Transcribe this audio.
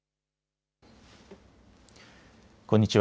こんにちは。